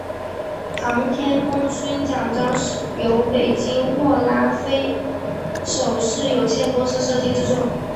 航天功勋奖章由北京握拉菲首饰有限公司设计制作。